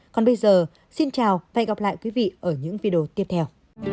còn bây giờ xin chào và hẹn gặp lại quý vị ở những video tiếp theo